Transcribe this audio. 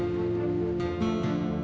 di kemudian bangkit